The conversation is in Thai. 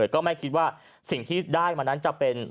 ก็ไม่คิดว่าสิ่งที่ได้มานั้นจะเป็น